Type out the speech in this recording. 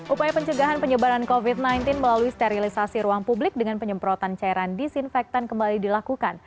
upaya pencegahan penyebaran covid sembilan belas melalui sterilisasi ruang publik dengan penyemprotan cairan disinfektan kembali dilakukan